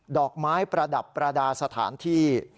ดอกไม้ประดับประดาษสถานที่